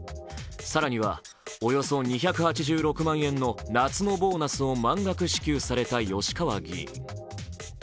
更には、およそ２８６万円の夏のボーナスを満額支給された吉川議員。